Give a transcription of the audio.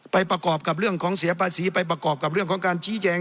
ประกอบกับเรื่องของเสียภาษีไปประกอบกับเรื่องของการชี้แจง